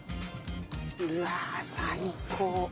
うわあ最高。